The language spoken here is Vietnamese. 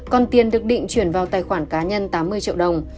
còn tiền được định chuyển vào tài khoản cá nhân tám mươi triệu đồng